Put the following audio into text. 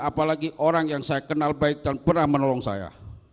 apalagi orang yang saya kenal baik dan pernah menolong saya